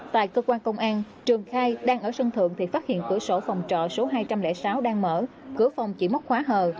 tại cơ quan công an trường khai đang ở sân thượng thì phát hiện cửa sổ phòng trọ số hai trăm linh sáu đang mở cửa phòng chỉ móc khóa hờ